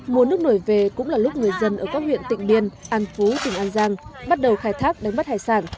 mùa nước nổi về cũng là lúc người dân ở các huyện tỉnh biên an phú tỉnh an giang bắt đầu khai thác đánh bắt hải sản